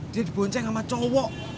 dia dibonceng sama cowok